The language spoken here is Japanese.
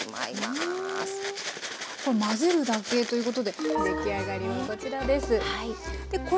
混ぜるだけということで出来上がりはこちらです。